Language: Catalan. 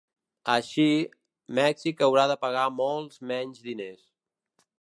Així, Mèxic haurà de pagar molts menys diners.